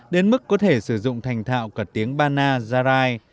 đến mức có thể sử dụng thành thạo cả tiếng bana zarai